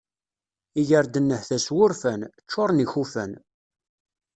Iger-d nnehta s wurfan, ččuṛen ikufan.